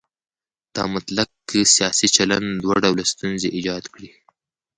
دا مطلق سیاسي چلن دوه ډوله ستونزې ایجاد کړي.